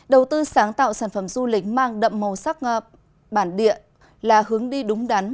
đầu tư sáng tạo sản phẩm du lịch mang đậm màu sắc bản địa là hướng đi đúng đắn